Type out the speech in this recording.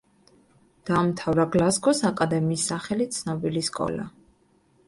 დაამთავრა „გლაზგოს აკადემიის“ სახელით ცნობილი სკოლა.